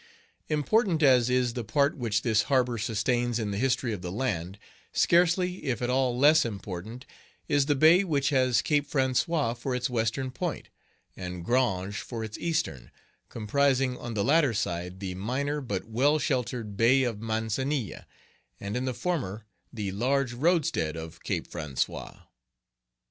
Important as is the part which this harbor sustains in the history of the land, scarcely, if at all, less important is the bay which has Cape François for its western point, and Grange for its eastern, comprising on the latter side the minor but well sheltered Bay of Mancenille, and in the former the large roadstead of Cape François.